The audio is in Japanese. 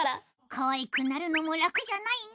かわいくなるのも楽じゃないね。